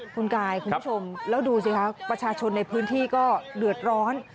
คุณกายคุณผู้ชมแล้วดูสิคะประชาชนในพื้นที่ก็เดือดร้อน